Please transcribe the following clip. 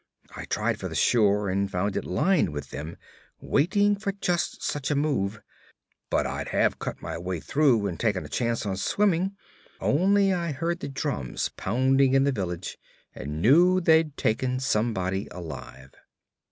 'I tried for the shore and found it lined with them, waiting for just such a move. But I'd have cut my way through and taken a chance on swimming, only I heard the drums pounding in the village and knew they'd taken somebody alive.